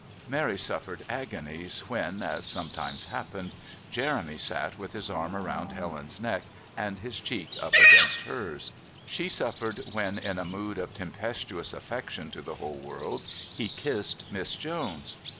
Mary suffered agonies when, as sometimes happened, Jeremy sat with his arm round Helen's neck and his cheek up against hers. She suffered when, in a mood of tempestuous affection to the whole world, he kissed Miss Jones.